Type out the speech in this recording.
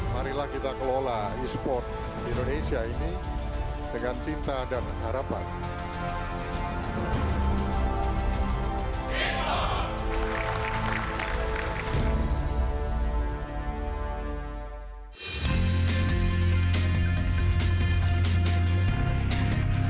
marilah kita kelola e sports indonesia ini dengan cinta dan harapan